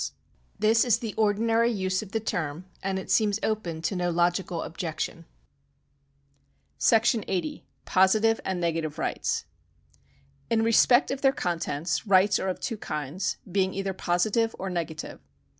§ 79] THE KINDS OF LEGAL RIGHTS 201 This is the ordinary use of the term, and it seems open to no logical objection.^ §S0. Positive and Negative Rig^hts. In respect of their contents, rights are of two kinds, being either positive or negative.